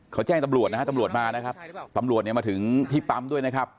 เขาแจ้งตำรวจนะฮะตำรวจมานะครับตำรวจเนี่ยมาถึงที่ปั๊มด้วยนะครับ